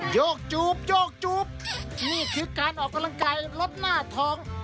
โยกจูบโยกจู๊บนี่คือการออกกำลังกายลดหน้าท้อง